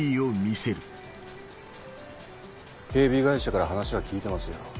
警備会社から話は聞いてますよ。